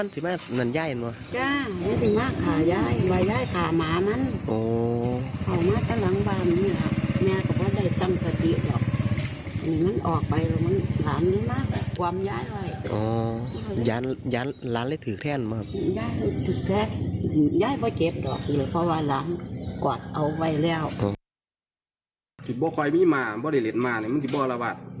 กว่าเอาไปแล้ว